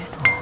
oh saya mau